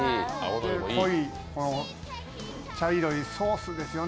濃い茶色いソースですよね。